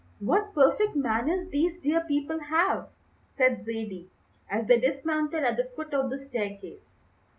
"What perfect manners these dear people have!" said Zaidie, as they dismounted at the foot of the staircase.